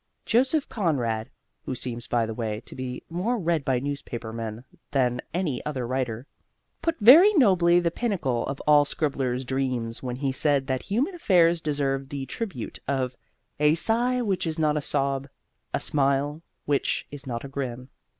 Joseph Conrad (who seems, by the way, to be more read by newspaper men than any other writer) put very nobly the pinnacle of all scribblers' dreams when he said that human affairs deserve the tribute of "a sigh which is not a sob, a smile which is not a grin."